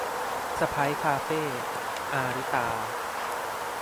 สะใภ้คาเฟ่ - อาริตา